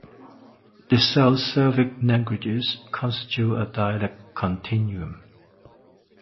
The South Slavic languages constitute a dialect continuum.